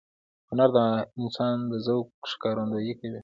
هنر د انسان د ذوق ښکارندویي کوي.